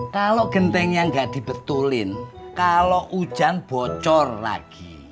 kalau gentengnya nggak dibetulin kalau hujan bocor lagi